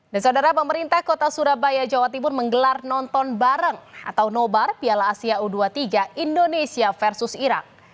saudara pemerintah kota surabaya jawa timur menggelar nonton bareng atau nobar piala asia u dua puluh tiga indonesia versus irak